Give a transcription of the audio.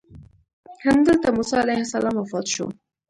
همدلته موسی علیه السلام وفات شو.